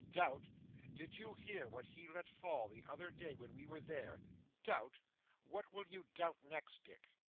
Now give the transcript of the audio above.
'Doubt! Did you hear what he let fall the other day when we were there? Doubt! What will you doubt next, Dick?